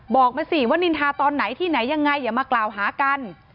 บอกมาสิว่านินทาตอนไหนที่ไหนยังไงอย่ามากล่าวหากัน